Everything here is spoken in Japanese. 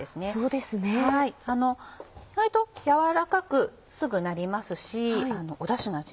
意外と軟らかくすぐなりますしダシの味